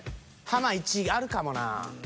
ハマ１位あるかもなぁ。